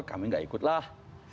kami nggak ikutlah